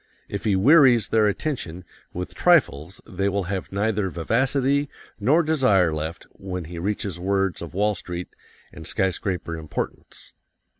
If he wearies their attention with trifles they will have neither vivacity nor desire left when he reaches words of Wall Street and skyscraper importance.